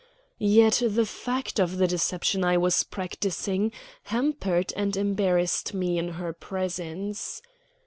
Yet the fact of the deception I was practising hampered and embarrassed me in her presence.